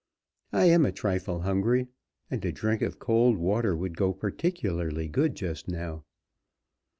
I am a trifle hungry, and a drink of cold water would go particularly good just now."